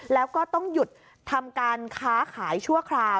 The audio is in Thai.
แล้วก็ต้องหยุดทำการค้าขายชั่วคราว